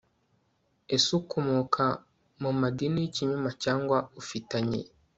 ese ukomoka mu madini y ikinyoma cyangwa ufitanye